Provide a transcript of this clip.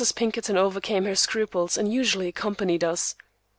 Pinkerton overcame her scruples, and usually accompanied us.